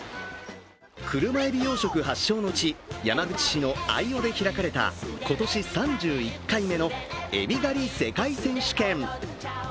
車えび養殖発祥の地、山口市の秋穂で開かれた今年３１回目のえび狩り世界選手権。